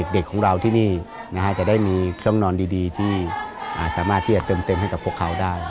เด็กของเราที่นี่จะได้มีช่องนอนดีที่สามารถที่จะเติมเต็มให้กับพวกเขาได้